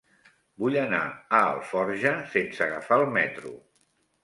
Vull anar a Alforja sense agafar el metro.